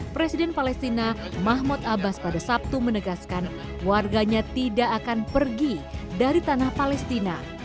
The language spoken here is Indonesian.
presiden palestina mahmod abbas pada sabtu menegaskan warganya tidak akan pergi dari tanah palestina